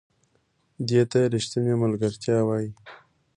دې ته ریښتینې ملګرتیا وایي .